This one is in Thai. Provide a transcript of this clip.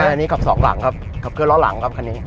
อันนี้ขับสองหลังครับขับเคลล้อหลังครับคันนี้